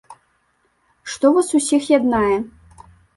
Што вас усіх яднае?